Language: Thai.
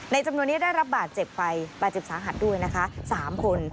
จำนวนนี้ได้รับบาดเจ็บไปบาดเจ็บสาหัสด้วยนะคะ๓คน